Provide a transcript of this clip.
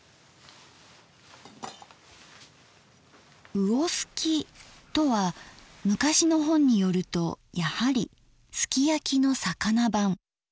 「魚すき」とは昔の本によるとやはりすき焼きの魚版。